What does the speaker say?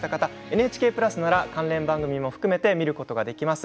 ＮＨＫプラスなら関連番組も含め見ることができます。